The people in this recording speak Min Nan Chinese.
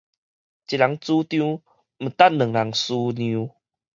一人主張，毋值兩人思量